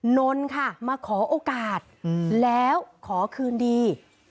นนท์ค่ะมาขอโอกาสแล้วขอคืนดี